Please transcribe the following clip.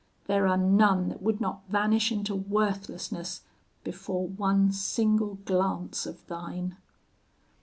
There are none that would not vanish into worthlessness before one single glance of thine!'